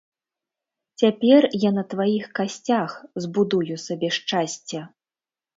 Цяпер я на тваіх касцях збудую сабе шчасце!